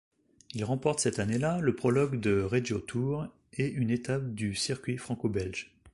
Il remporte cette année-là le prologue du Regio-Tour et une étape du Circuit franco-belge.